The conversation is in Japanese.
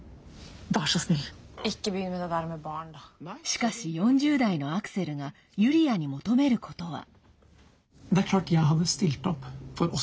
しかし、４０代のアクセルがユリアに求めることは。